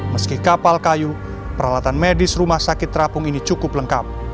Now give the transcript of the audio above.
meski kapal kayu peralatan medis rumah sakit terapung ini cukup lengkap